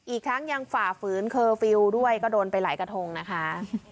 อีกทั้งยังฝ่าฝืนเคอร์ฟิลล์ด้วยก็โดนไปหลายกระทงนะคะ